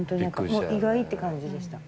もう意外って感じでした。